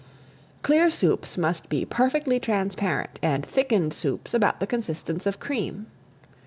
Clear soups must be perfectly transparent, and thickened soups about the consistence of cream.